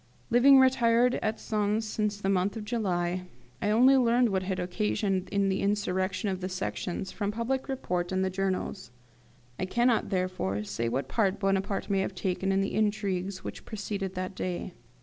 Living retired at Sens since the month of July, I only learned what had occasioned the insurrection of the Sections from public report and the journals. I cannot, therefore, say what part Bonaparte may have taken in the intrigues which preceded that day.